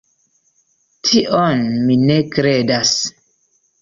Tion mi ne kredas.